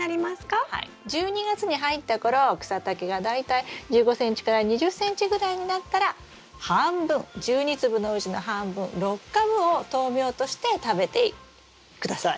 １２月に入った頃草丈が大体１５ｃｍから２０ｃｍぐらいになったら半分１２粒のうちの半分６株を豆苗として食べて下さい。